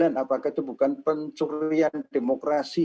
apakah itu bukan penculian demokrasi